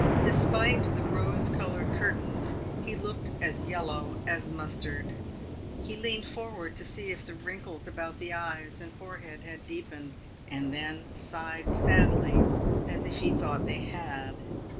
Despite the rose coloured curtains, he looked as yellow as mustard. He leaned forward to see if the wrinkles about the eyes and forehead had deepened, and then sighed sadly, as if he thought they had.